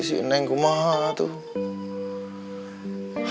si neng kumah atuh